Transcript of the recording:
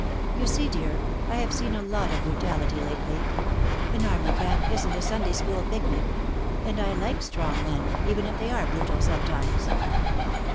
"You see, dear, I have seen a lot of brutality lately. An army camp isn't a Sunday school picnic. And I like strong men, even if they are brutal sometimes."